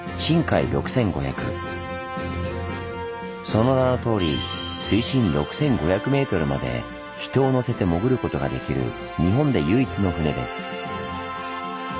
その名のとおり水深６，５００ｍまで人を乗せて潜ることができる日本で唯一の船です。